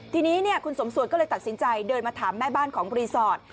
ทีนี้คุณสมสวดก็เลยตัดสินใจเดินมาถามแม่บ้านของรีสอร์ท